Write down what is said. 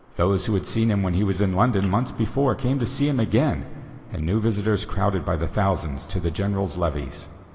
Those who had seen him when he was in London months before came to see him again, and new visitors crowded by thousands to the General's levees.